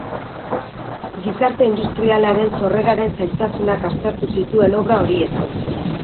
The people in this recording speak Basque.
Gizarte industrialaren sorreraren zailtasunak aztertu zituen obra horietan.